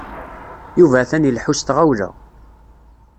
Yuba atan iḥellu s tɣawla.